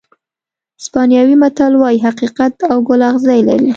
اسپانوي متل وایي حقیقت او ګل اغزي لري.